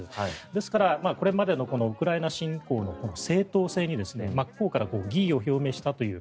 ですからこれまでのウクライナ侵攻の正当性に真っ向から疑義を表明したという。